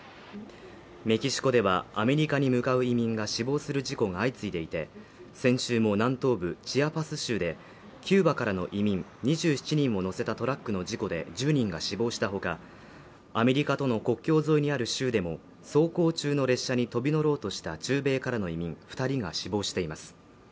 メキシコではアメリカに向かう移民が死亡する事故が相次いでいて先週も南東部チアパス州でキューバからの移民２７人を乗せたトラックの事故で１０人が死亡したほかアメリカとの国境沿いにある州でも走行中の列車に飛び乗ろうとした中米からの移民二人が死亡しています